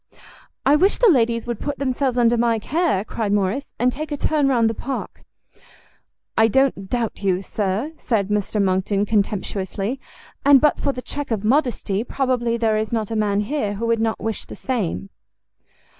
"I wish the ladies would put themselves under my care," cried Morrice, "and take a turn round the park." "I don't doubt you, Sir," said Mr Monckton, contemptuously, "and, but for the check of modesty, probably there is not a man here who would not wish the same."